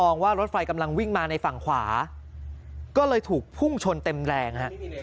ว่ารถไฟกำลังวิ่งมาในฝั่งขวาก็เลยถูกพุ่งชนเต็มแรงฮะ